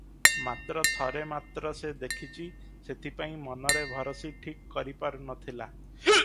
ମାତ୍ର ଥରେ ମାତ୍ର ସେ ଦେଖିଚି, ସେଥିପାଇଁ ମନରେ ଭରସି ଠିକ୍ କରି ପାରୁ ନ ଥିଲା ।